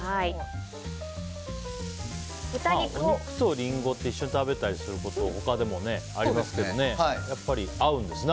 お肉とリンゴって一緒に食べたりすること他でもありますけどやっぱり合うんですね。